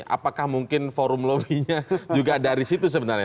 apakah mungkin forum lobbynya juga dari situ sebenarnya